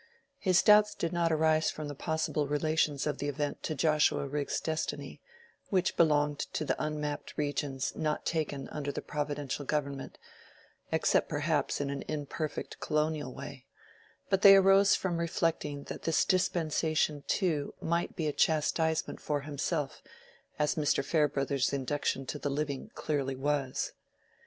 His doubts did not arise from the possible relations of the event to Joshua Rigg's destiny, which belonged to the unmapped regions not taken under the providential government, except perhaps in an imperfect colonial way; but they arose from reflecting that this dispensation too might be a chastisement for himself, as Mr. Farebrother's induction to the living clearly was.